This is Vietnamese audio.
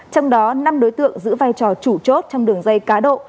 trong đó năm đối tượng giữ vai trò chủ chốt trong đường dây cá độ